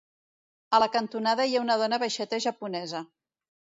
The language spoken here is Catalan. A la cantonada hi ha una dona baixeta japonesa.